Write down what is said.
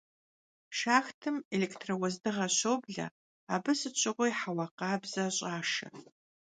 Şşaxtım elêktrouezdığer şoble, abı sıt şığui heua khabze ş'aşşe.